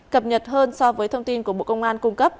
cập nhật hơn so với thông tin của bộ công an cung cấp